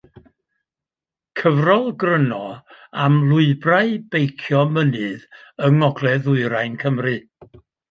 Cyfrol gryno am lwybrau beicio mynydd yng Ngogledd Ddwyrain Cymru.